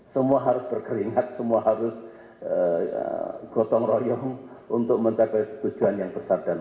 semua harus berkeringat semua harus gotong royong untuk mencapai tujuan yang besar